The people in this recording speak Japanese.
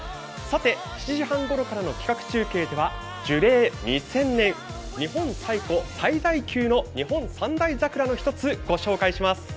７時半ころからの企画中継では樹齢２０００年日本最古、最大級の最大級の日本三大桜の一つ、ご紹介します。